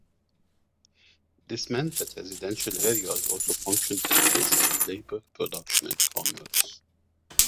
This meant that residential areas also functioned as places of labour, production and commerce.